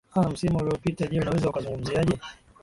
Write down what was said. aa msimu uliopita je unaweza ukazungumziaje